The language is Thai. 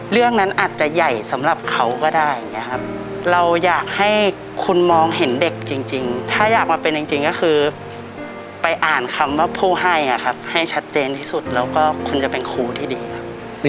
เรื่องนั้นอาจจะใหญ่สำหรับเขาก็ได้อย่างนี้ครับเราอยากให้คุณมองเห็นเด็กจริงถ้าอยากมาเป็นจริงก็คือไปอ่านคำว่าผู้ให้ชัดเจนที่สุดแล้วก็คุณจะเป็นครูที่ดีครับ